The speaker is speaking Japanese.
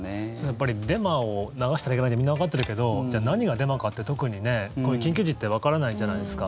やっぱりデマを流したらいけないってみんなわかってるけどじゃあ、何がデマかって特にこういう緊急時ってわからないじゃないですか。